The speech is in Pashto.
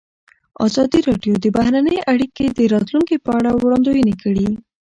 ازادي راډیو د بهرنۍ اړیکې د راتلونکې په اړه وړاندوینې کړې.